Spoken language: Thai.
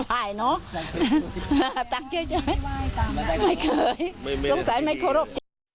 สั่งเชื่อไม่เคยลูกสาวไม่เคารพ